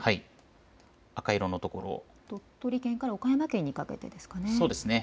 赤色の所、鳥取県から岡山県にかけてですかね。